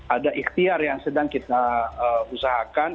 ada ikhtiar yang sedang kita usahakan